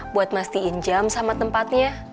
buat mastiin jam sama tempatnya